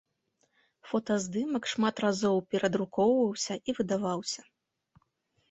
Фотаздымак шмат разоў перадрукоўваўся і выдаваўся.